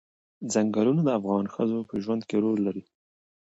ځنګلونه د افغان ښځو په ژوند کې رول لري.